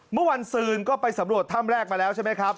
เมื่อวันซืนก็ไปสำรวจถ้ำแรกมาแล้วใช่ไหมครับ